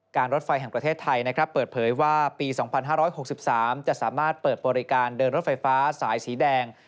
รถไฟแห่งประเทศไทยเปิดเผยว่าปี๒๕๖๓จะสามารถเปิดบริการเดินรถไฟฟ้าสายสีแดง